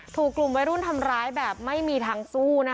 ถูกกลุ่มวัยรุ่นทำร้ายแบบไม่มีทางสู้นะคะ